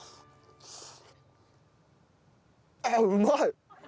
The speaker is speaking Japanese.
あっうまい！